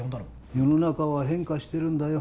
世の中は変化してるんだよ